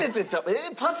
えっパス？